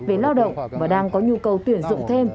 về lao động và đang có nhu cầu tuyển dụng thêm